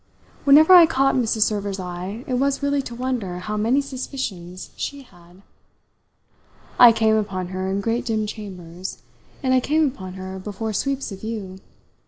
Whenever I caught Mrs. Server's eye it was really to wonder how many suspicions she had. I came upon her in great dim chambers, and I came upon her before sweeps of view.